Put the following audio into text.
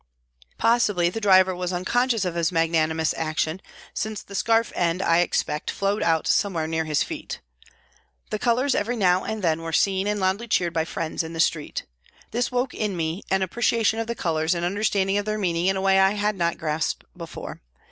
Possibly, the driver was uncon scious of his magnanimous action, since the scarf end, I expect, flowed out somewhere near his feet. P. P 66 PRISONS AND PRISONERS The colours every now and then were seen and loudly cheered by friends in the street. This woke in me an appreciation of the colours and under standing of their meaning in a way I had not grasped before.